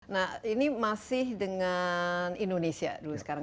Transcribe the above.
nah ini masih dengan indonesia dulu sekarang